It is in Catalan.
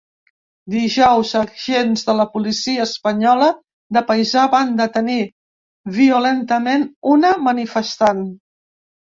Dijous, agents de la policia espanyola de paisà van detenir violentament una manifestant.